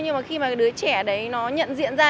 nhưng mà khi mà đứa trẻ đấy nó nhận diện ra